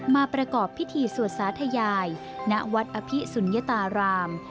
มาประกอบพิธีสวดสาธยายณวัดอภิสุนยตาราม